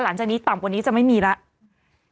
หลังจากนี้ต่ำกว่านี้จะไม่มีแล้ว